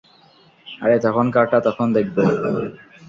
আরে তখনকারটা তখন দেখবো।